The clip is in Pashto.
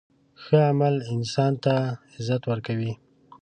ښه عمل انسان ته عزت ورکوي.